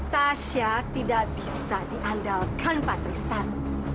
tasya tidak bisa diandalkan pak tristan